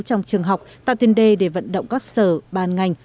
trong trường học tạo tiền đề để vận động các sở ban ngành